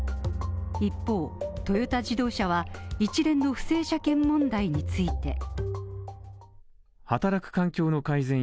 一方、トヨタ自動車は一連の不正車検問題について